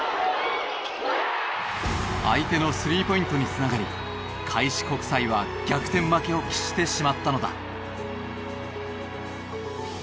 相手のスリーポイントに繋がり開志国際は逆転負けを喫してしまったのだ。